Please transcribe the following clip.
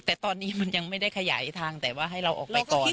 แต่ตอนนี้มันยังไม่ได้ขยายทางแต่ว่าให้เราออกไปก่อน